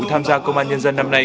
tham gia công an nhân dân năm nay